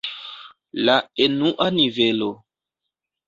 La enua nivelo.